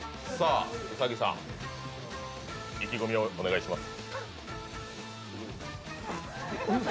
兎さん、意気込みをお願いします。